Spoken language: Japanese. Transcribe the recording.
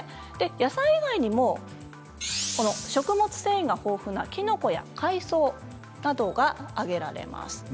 野菜以外にも食物繊維が豊富なきのこや海藻などが挙げられます。